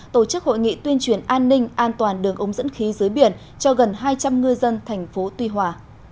tổ chức hội nghị tuyên truyền an ninh an toàn đường ống dẫn khí dưới biển cho gần hai trăm linh ngư dân thành phố tuy hòa